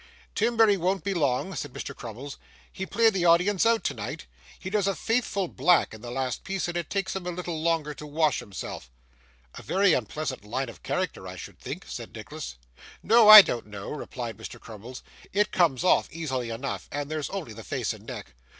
'Timberry won't be long,' said Mr. Crummles. 'He played the audience out tonight. He does a faithful black in the last piece, and it takes him a little longer to wash himself.' 'A very unpleasant line of character, I should think?' said Nicholas. 'No, I don't know,' replied Mr. Crummles; 'it comes off easily enough, and there's only the face and neck.